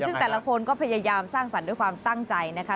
ซึ่งแต่ละคนก็พยายามสร้างสรรค์ด้วยความตั้งใจนะคะ